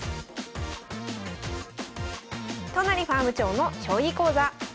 都成ファーム長の将棋講座。